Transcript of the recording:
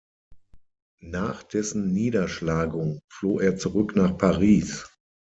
Nach dessen Niederschlagung floh er zurück nach Paris.